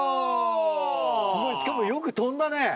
すごいしかもよく飛んだね。